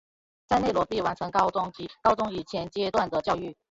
在内罗毕完成高中及高中以前阶段的教育。